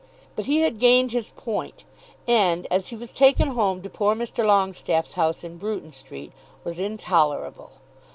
But he had gained his point, and, as he was taken home to poor Mr. Longestaffe's house in Bruton Street, was intolerable.